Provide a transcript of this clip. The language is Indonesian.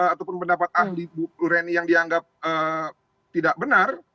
ataupun pendapat ahli bu reni yang dianggap tidak benar